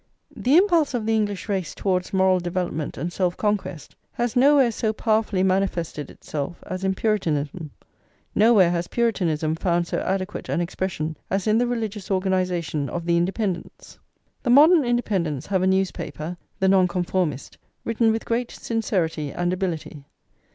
The impulse of the English race towards moral development and self conquest has nowhere so powerfully manifested itself as in Puritanism; nowhere has Puritanism found so adequate an expression as in the religious organisation of the Independents. The modern Independents have a newspaper, the Nonconformist, written with great sincerity and ability.